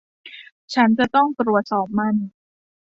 ฉันจะต้องตรวจสอบมัน